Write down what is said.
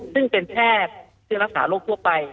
ซึ่งเป็นแพทย์เพื่อรักษาโรคทั่วไป